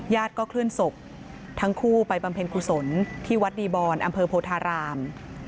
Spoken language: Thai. เคลื่อนศพทั้งคู่ไปบำเพ็ญกุศลที่วัดดีบอนอำเภอโพธาราม